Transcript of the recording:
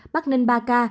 bắc ninh ba ca